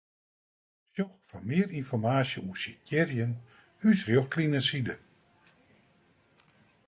Sjoch foar mear ynformaasje oer sitearjen ús Rjochtlineside.